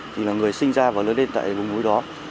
thì là người sinh ra và lớn lên tại vùng núi đó